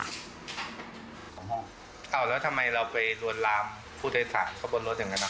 คือแบบว่าคนเมาแล้วมันก็เดินเสียงค่ะ